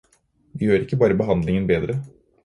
Det gjør ikke bare behandlingen bedre.